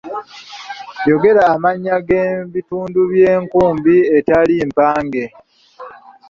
Yogera amannya g’ebitundu by’enkumbi eteri mpange.